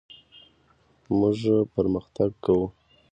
موږ پرمختګ کوو.